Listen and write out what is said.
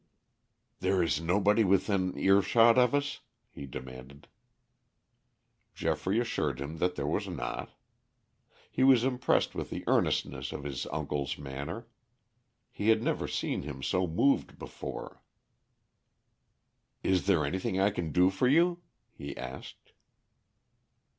"There is nobody within earshot of us?" he demanded. Geoffrey assured him that there was not. He was impressed with the earnestness of his uncle's manner. He had never seen him so moved before. "Is there anything I can do for you?" he asked.